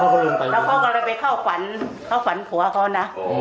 แล้วเขาก็เลยไปเข้าฝันเขาฝันผัวเขานะ